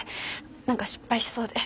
何か失敗しそうで。